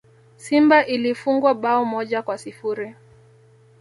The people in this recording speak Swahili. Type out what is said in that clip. Simba ilifungwa bao moja kwa sifuri